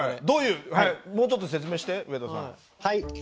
どういうもうちょっと説明して上田さん。